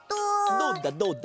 どうだどうだ？